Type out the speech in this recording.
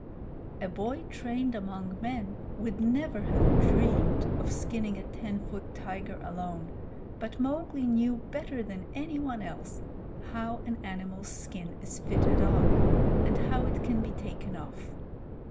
A boy trained among men would never have dreamed of skinning a ten foot tiger alone, but Mowgli knew better than anyone else how an animal's skin is fitted on, and how it can be taken off.